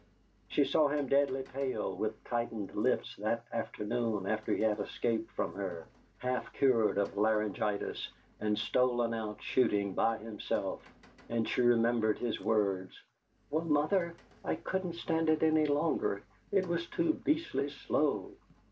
She saw him deadly pale with tightened lips that afternoon after he had escaped from her, half cured of laryngitis, and stolen out shooting by himself, and she remembered his words: "Well, Mother, I couldn't stand it any longer; it was too beastly slow!"